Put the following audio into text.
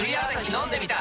飲んでみた！